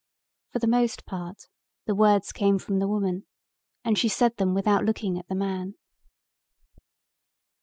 For the most part the words came from the woman and she said them without looking at the man.